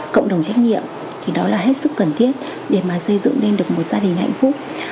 cộng đồng trách nhiệm thì đó là hết sức cần thiết để mà xây dựng lên được một gia đình hạnh phúc